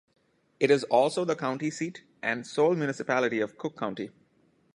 It is also the county seat and sole municipality of Cook County.